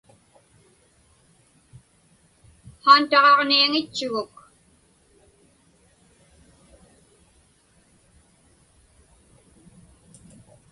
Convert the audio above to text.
Haantaġaġniaŋitchuguk.